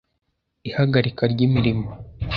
ihagarika ry imirimo